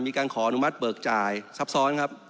มีการขออนุมัติเบิกจ่ายซับซ้อนครับ